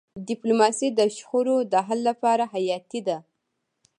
ډيپلوماسي د شخړو د حل لپاره حیاتي ده.